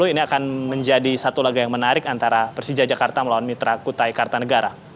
ini akan menjadi satu laga yang menarik antara persija jakarta melawan mitra kutai kartanegara